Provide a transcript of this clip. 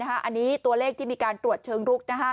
อันนี้ตัวเลขที่มีการตรวจเชิงลุก